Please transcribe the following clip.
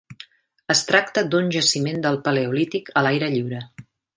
Es tracte d'un jaciment del Paleolític a l'aire lliure.